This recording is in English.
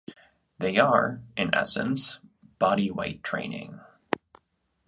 They are, in essence, body-weight training.